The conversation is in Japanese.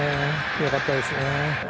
良かったですね。